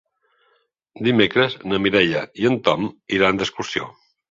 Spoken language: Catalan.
Dimecres na Mireia i en Tom iran d'excursió.